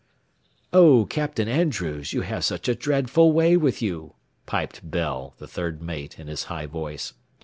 "Oh, Captain Andrews, you have such a dreadful way with you," piped Bell, the third mate, in his high voice.